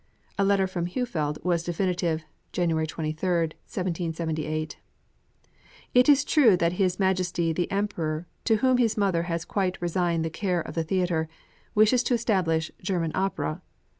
A letter from Heufeld was definitive (January 23, 1778): It is true that His Majesty the Emperor, to whom his mother has quite resigned the care of the theatre, wishes to establish German opera.